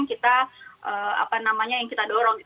itu yang kita dorong